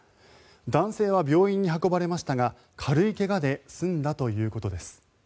男性は病院に運ばれましたが軽い怪我で済んだということです。